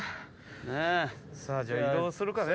さぁじゃあ移動するかね。